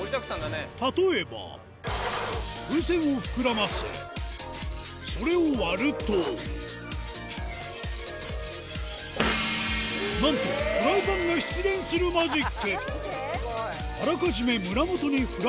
例えば風船を膨らませそれを割るとなんとフライパンが出現するマジックなんで？